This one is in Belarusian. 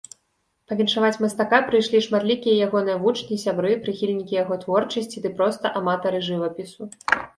Павіншаваць мастака прыйшлі шматлікія ягоныя вучні, сябры, прыхільнікі яго творчасці ды проста аматары жывапісу.